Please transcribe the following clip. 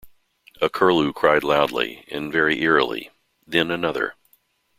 A curlew cried loudly, and very eerily: then another.